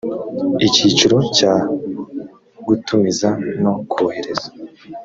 icyiciro cya gutumiza no kohereza